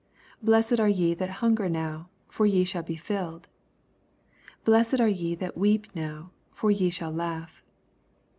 21 Blessed areyeth&t hunger now: for ye shall be flUed. Blessed are ye that weep now : for ye shall laugh.